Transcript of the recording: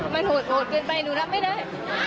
มันโหดเกินไปหนูรับไม่ได้